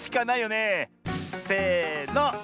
せの。